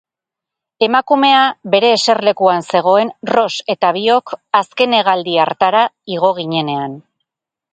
Emakumea bere eserlekuan zegoen Ross eta biok azken hegaldi hartara igo ginenean.